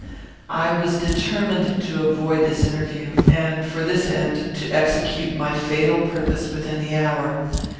I was determined to avoid this interview, and, for this end, to execute my fatal purpose within the hour.